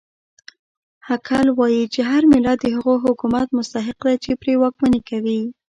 هګل وایي چې هر ملت د هغه حکومت مستحق دی چې پرې واکمني کوي.